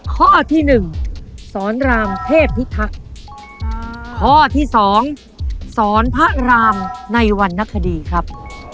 ข้อที่หนึ่งสอนรามเทพพิทักษ์ข้อที่สองสอนพระรามในวรรณคดีครับ